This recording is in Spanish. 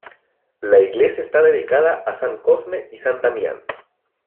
La iglesia está dedicada a san Cosme y san Damián.